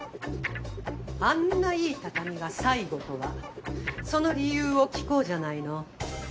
あんないい畳が最後とはその理由を聞こうじゃないの。